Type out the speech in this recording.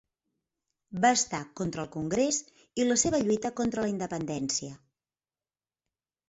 Va estar contra el Congrés i la seva lluita contra la independència.